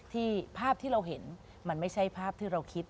ภาพที่เราเห็นมันไม่ใช่ภาพที่เราคิด